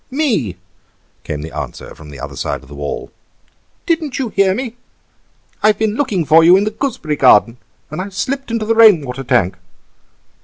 "Me," came the answer from the other side of the wall; "didn't you hear me? I've been looking for you in the gooseberry garden, and I've slipped into the rain water tank.